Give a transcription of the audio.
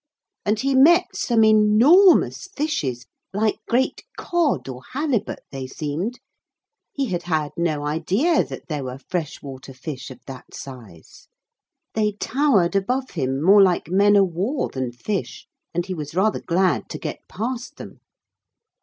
And he met some enormous fishes, like great cod or halibut, they seemed. He had had no idea that there were fresh water fish of that size. They towered above him more like men o' war than fish, and he was rather glad to get past them.